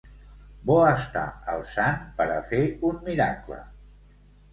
Bo està el sant per a fer un miracle!